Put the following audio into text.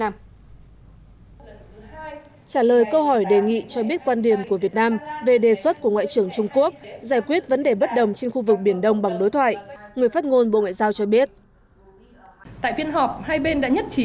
trả lời câu hỏi đề nghị cho biết quan điểm của việt nam về đề xuất của ngoại trưởng trung quốc giải quyết vấn đề bất đồng trên khu vực biển đông bằng đối thoại người phát ngôn bộ ngoại giao cho biết